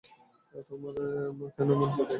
তোমরা কেন এমন করছ!